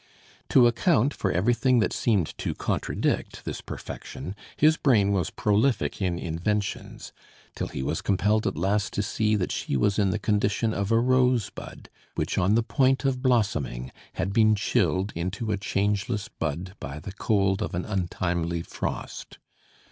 To account for everything that seemed to contradict this perfection, his brain was prolific in inventions; till he was compelled at last to see that she was in the condition of a rose bud, which, on the point of blossoming, had been chilled into a changeless bud by the cold of an untimely frost.